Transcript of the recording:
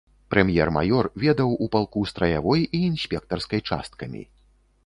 Прэм'ер-маёр ведаў у палку страявой і інспектарскай часткамі.